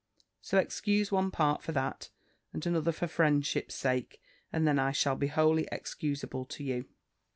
So excuse one part for that, and another for friendship's sake, and then I shall be wholly excusable to you.